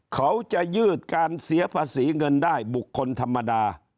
เขาจะยืดการเสียภาษีเงินได้บุคคลธรรมดา